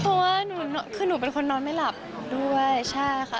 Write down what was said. เพราะว่าหนูคือหนูเป็นคนนอนไม่หลับด้วยใช่ค่ะ